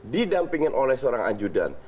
didampingin oleh seorang ajudan